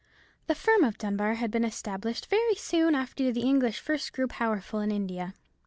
The firm of Dunbar had been established very soon after the English first grew powerful in India.